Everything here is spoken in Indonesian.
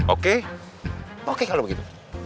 oke oke kalau begitu